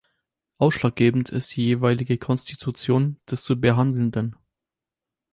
Ausschlaggebend ist die jeweilige Konstitution des zu Behandelnden.